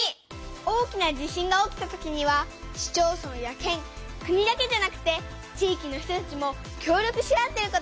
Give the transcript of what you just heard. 大きな地震が起きたときには市町村や県国だけじゃなくて地域の人たちも協力し合ってることがわかったよ！